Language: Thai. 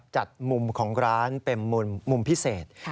จัดมุมของร้านเป็นมุมพิเศษ